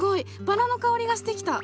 バラの香りがしてきた。